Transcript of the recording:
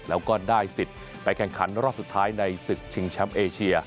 แล้วก็ได้สิทธิ์ไปแข่งขันรอบสุดท้ายในศึกชิงแชมป์เอเชีย